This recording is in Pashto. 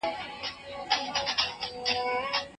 که پښتو موجوده وي، نو موږ سره نزدې پاتې کیږي.